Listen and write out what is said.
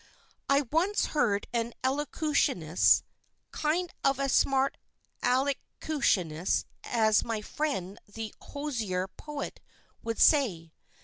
I once heard an elocutionist kind of a smart Alickutionist as my friend The Hoosier Poet would say.